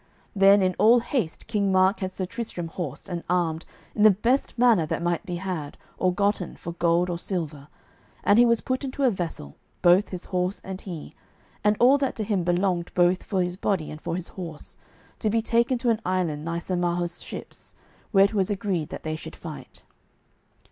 Then in all haste King Mark had Sir Tristram horsed and armed in the best manner that might be had or gotten for gold or silver, and he was put into a vessel, both his horse and he, and all that to him belonged both for his body and for his horse, to be taken to an island nigh Sir Marhaus' ships, where it was agreed that they should fight.